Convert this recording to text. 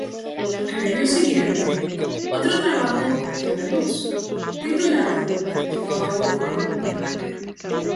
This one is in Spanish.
Al año siguiente, otro trabajo vio la luz, titulado "The Photo Album".